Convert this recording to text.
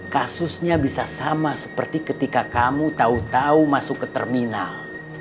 kasusnya bisa sama seperti ketika kamu tahu tahu masuk ke terminal